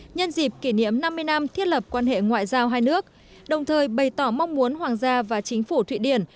nhân dịp kỷ niệm năm mươi năm thiết lập quan hệ ngoại giao hai nước đồng thời bày tỏ mong muốn hoàng gia và chính phủ thụy điển